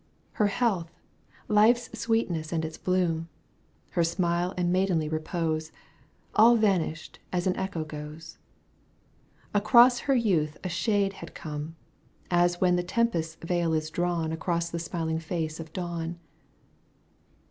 1 Her health, life's sweetness and its bloom, Her smile and maidenly repose, All vanished as an echo goes. Across her youth a shade, had come, As when the tempest's veil is drawn Across the smiling face of dawn.